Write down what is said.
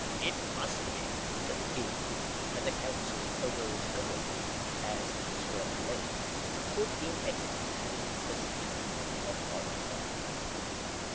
"It must be," said the king: and the council arose hurriedly (as it was growing late), to put in execution the scheme of Hop Frog.